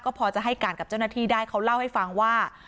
พอจะให้การกับเจ้าหน้าที่ได้เขาเล่าให้ฟังว่า